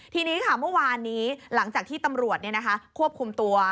ทีนี้ค่ะเมื่อวานนี้หลังจากที่ตำรวจควบคุมตัว